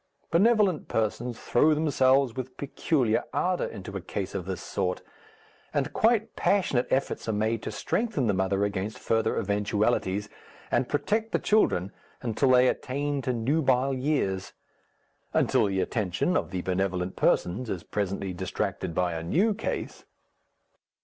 Benevolent persons throw themselves with peculiar ardour into a case of this sort, and quite passionate efforts are made to strengthen the mother against further eventualities and protect the children until they attain to nubile years. Until the attention of the benevolent persons is presently distracted by a new case....